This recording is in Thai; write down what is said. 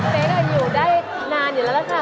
คือเจ๊ก็อยู่ได้นานอยู่แล้วแล้วค่ะ